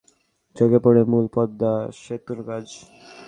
মাওয়া চৌরাস্তা থেকে সোজা গেলে চোখে পড়ে মূল পদ্মা সেতুর কাজ।